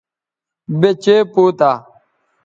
یے چئے پوتہ